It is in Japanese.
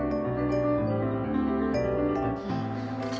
うん。